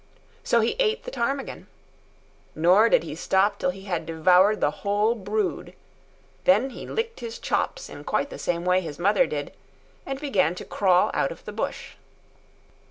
So he ate the ptarmigan. Nor did he stop till he had devoured the whole brood. Then he licked his chops in quite the same way his mother did, and began to crawl out of the bush.